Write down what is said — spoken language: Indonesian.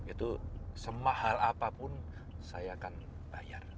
itu semahal apapun saya akan bayar